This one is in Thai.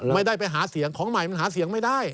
ไม่ได้ไปหาเสียงของใหม่มันหาเสียงไม่ได้